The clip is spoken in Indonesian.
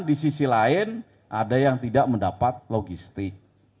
di sisi lain ada yang tidak mendapat logistik